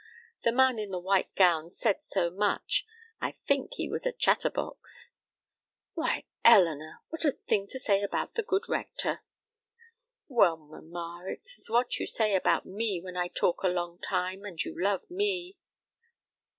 The man in the white gown said so much. I fink he was a chatterbox." "Why, Elinor! what a thing to say about the good rector." "Well, mamma, it is what you say about me when I talk a long time, and you love me."